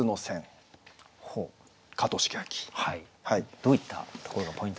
どういったところがポイントでしょうか？